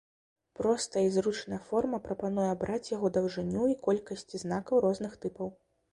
Простая і зручная форма прапануе абраць яго даўжыню і колькасць знакаў розных тыпаў.